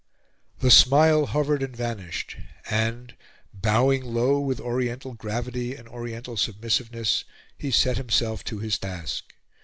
The smile hovered and vanished, and, bowing low with Oriental gravity and Oriental submissiveness, he set himself to his task.